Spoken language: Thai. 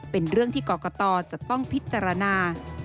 เป็นเรื่องที่กรกตจะต้องพิจารณา